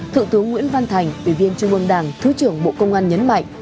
thượng tướng nguyễn văn thành ủy viên trung ương đảng thứ trưởng bộ công an nhấn mạnh